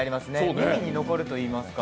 耳に残るといいますか。